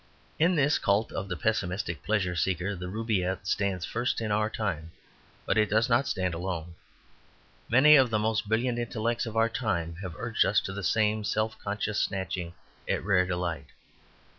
In this cult of the pessimistic pleasure seeker the Rubaiyat stands first in our time; but it does not stand alone. Many of the most brilliant intellects of our time have urged us to the same self conscious snatching at a rare delight.